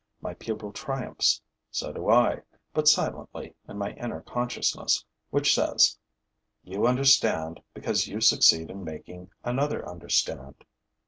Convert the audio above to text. My pupil triumphs; so do I, but silently, in my inner consciousness, which says: 'You understand, because you succeed in making another understand.'